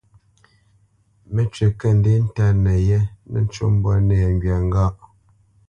Mə́cywǐ kə̂ ndê ntánə yé nə́ ncú mbwǎ nɛŋgywa ŋgâʼ.